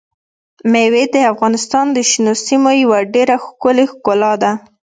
مېوې د افغانستان د شنو سیمو یوه ډېره ښکلې ښکلا ده.